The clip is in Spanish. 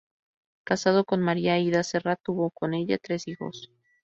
Casado con María Aída Serra, tuvo con ella tres hijos.